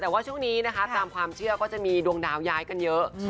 แต่ว่าช่วงนี้นะคะตามความเชื่อก็จะมีดวงดาวย้ายกันเยอะ